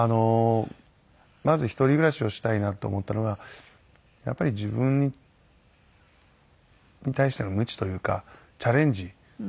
まず一人暮らしをしたいなと思ったのがやっぱり自分に対してのムチというかチャレンジ。